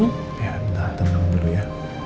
ya entah temen temen dulu ya